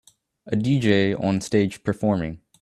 A DJ on stage performing